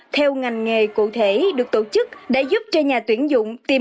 theo ngành nghề cụ thể được tổ chức đã giúp cho nhà tuyển dụng